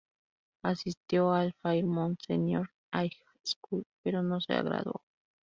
Asistió al Fairmont Senior High School, pero no se graduó.